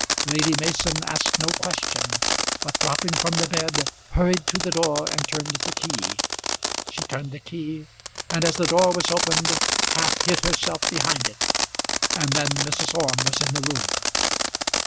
Lady Mason asked no question, but dropping from the bed hurried to the door and turned the key. She turned the key, and as the door was opened half hid herself behind it; and then Mrs. Orme was in the room.